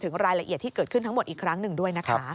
รายละเอียดที่เกิดขึ้นทั้งหมดอีกครั้งหนึ่งด้วยนะคะ